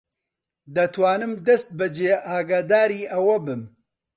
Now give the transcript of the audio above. دەتوانم دەستبەجێ ئاگاداری ئەوە بم.